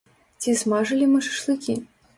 Ці смажылі мы шашлыкі?